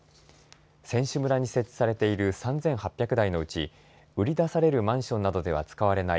選手村に設置されている３８００台のうち売り出されるマンションなどでは使われない